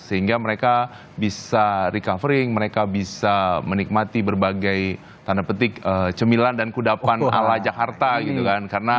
sehingga mereka bisa recovery mereka bisa menikmati berbagai tanda petik cemilan dan kudapan ala jakarta gitu kan